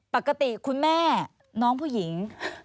คุณแม่น้องผู้หญิง